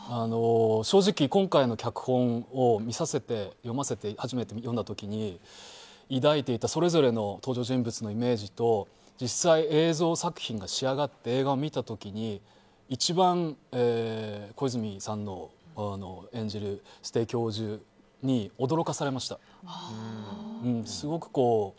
正直、今回の脚本を初めて読んだ時に抱いていたそれぞれの登場人物のイメージと実際の映像作品が仕上がって映画を見た時に一番、小泉さんの演じる教授に驚かされました。